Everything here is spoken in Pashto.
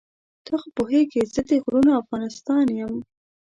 ته خو پوهېږې زه د غرونو افغانستان یم.